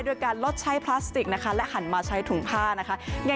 โดยการลดใช้พลาสติกนะคะและหันมาใช้ถุงผ้านะคะ